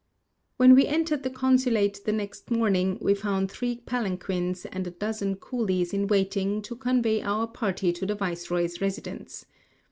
When we entered the consulate the next morning, we found three palanquins and a dozen coolies in waiting to convey our party to the viceroy's residence.